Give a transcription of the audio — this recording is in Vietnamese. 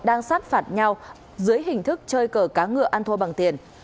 đang sát phạt nhau dưới hình thức chơi cờ cá ngựa an thua bằng tiền